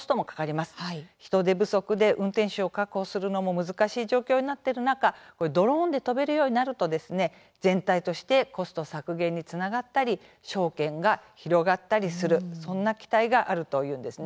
人手不足で運転手を確保するのも難しい状況になっている中ドローンで飛べるようになると全体としてコスト削減につながったり商圏が広がったりするそんな期待があるというんですね。